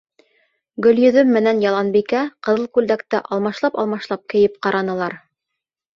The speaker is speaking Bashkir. Гөлйөҙөм менән Яланбикә ҡыҙыл күлдәкте алмашлап-алмашлап кейеп ҡаранылар.